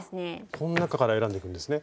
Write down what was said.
この中から選んでいくんですね。